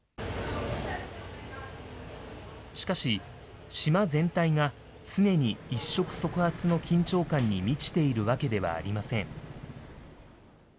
しかし、島全体が常に一触即発の緊張感に満ちているわけではありません。